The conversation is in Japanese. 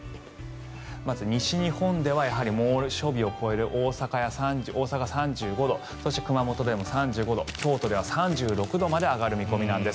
まず西日本では猛暑日を超える、大阪３５度そして、熊本でも３５度京都では３６度まで上がる見込みなんです。